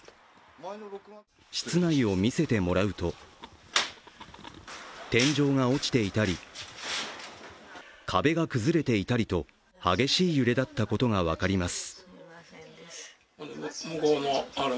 室内をみせてもらうと天井が落ちていたり、壁が崩れていたりと激しい揺れだったことが分かります。